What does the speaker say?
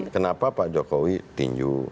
kenapa pak jokowi tinju